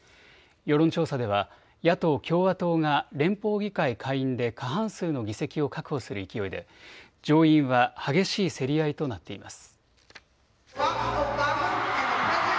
世論調査では野党・共和党が連邦議会下院で過半数の議席を確保する勢いで上院は激しい競り合いとなっています。